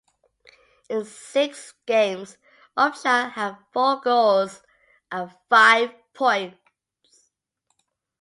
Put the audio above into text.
In six games, Upshall had four goals and five points.